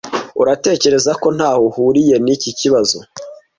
Uratekereza ko ntaho ahuriye niki kibazo?